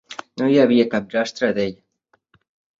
No hi havia cap rastre d'ell.